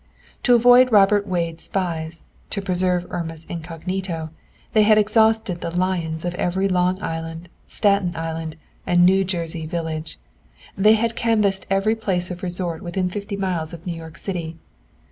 To avoid Robert Wade's spies, to preserve Irma's incognito, they had exhausted the "lions" of every Long Island, Staten Island, and New Jersey village. They had canvassed every place of resort within fifty miles of New York City.